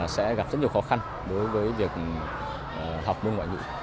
sẽ gặp rất nhiều khó khăn đối với việc học môn ngoại ngữ